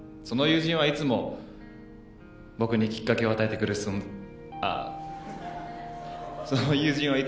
その友人はいつも僕にきっかけを与えてくれる存在で。